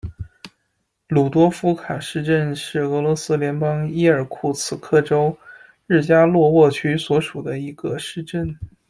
鲁多夫卡市镇是俄罗斯联邦伊尔库茨克州日加洛沃区所属的一个市镇。